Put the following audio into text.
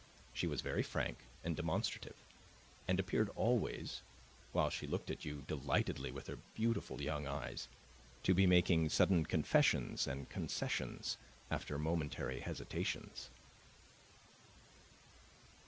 She was very frank and demonstrative and appeared always while she looked at you delightedly with her beautiful young eyes to be making sudden confessions and concessions, after momentary hesitations.